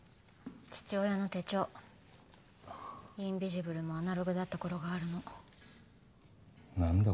父親の手帳インビジブルもアナログだった頃があるの何だ？